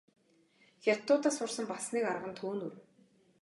Хятадуудаас сурсан бас нэг арга нь төөнүүр.